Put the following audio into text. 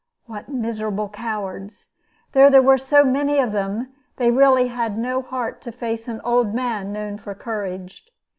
What miserable cowards! Though there were so many of them, they really had no heart to face an old man known for courage.